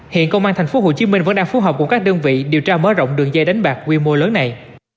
hiện công an tp hcm vẫn đang phù hợp cùng các đơn vị điều tra mở rộng đường dây đánh bạc quy mô lớn này